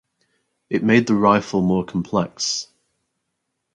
It made the rifle more complex.